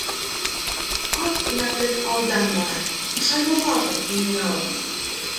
Ат уйнатып алдан бара Шайморатов генерал!